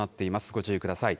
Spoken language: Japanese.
ご注意ください。